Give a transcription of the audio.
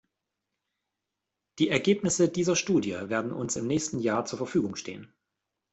Die Ergebnisse dieser Studie werden uns im nächsten Jahr zur Verfügung stehen.